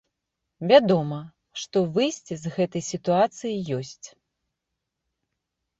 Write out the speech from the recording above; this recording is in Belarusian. Вядома, што выйсце з гэтай сітуацыі ёсць.